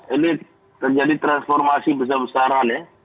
ini terjadi transformasi besar besaran ya